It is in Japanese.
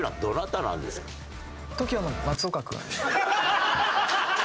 ＴＯＫＩＯの松岡君。